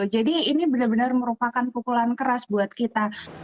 jadi ini benar benar merupakan pukulan keras buat kita